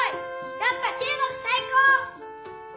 やっぱ中国さい高！